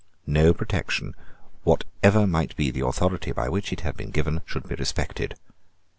No protection, whatever might be the authority by which it had been given, should be respected.